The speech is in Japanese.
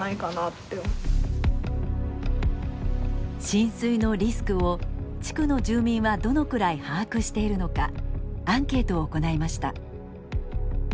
浸水のリスクを地区の住民はどのくらい把握しているのかアンケートを行いました。